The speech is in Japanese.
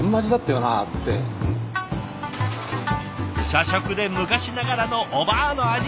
社食で昔ながらのおばあの味。